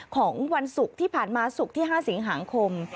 ของวันศุกร์ที่ผ่านมาศุกร์ที่๕สิงหาคม